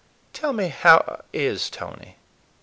"Tell me, how is Tony?"